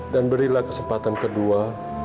dan berilah kesempatan kedua